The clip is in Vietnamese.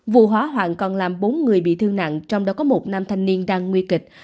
vụ hỏa hoạn còn làm bốn người bị thương nặng trong đó có một nam thanh niên đang nguy kịch